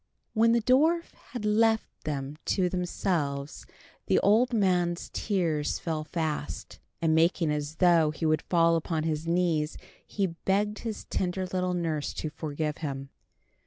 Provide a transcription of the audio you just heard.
When the dwarf had left them to themselves the old man's tears fell fast, and making as though he would fall upon his knees, he begged his tender little nurse to forgive him.